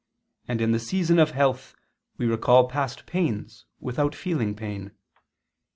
. and in the season of health we recall past pains without feeling pain .